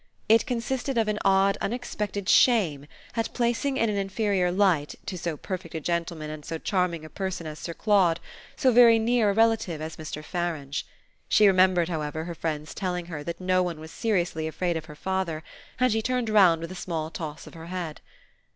It consisted of an odd unexpected shame at placing in an inferior light, to so perfect a gentleman and so charming a person as Sir Claude, so very near a relative as Mr. Farange. She remembered, however, her friend's telling her that no one was seriously afraid of her father, and she turned round with a small toss of her head.